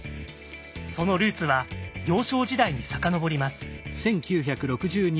そのルーツは幼少時代に遡ります。